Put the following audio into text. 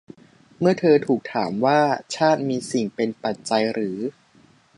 เมื่อเธอถูกถามว่า ชาติมีสิ่งเป็นปัจจัยหรือ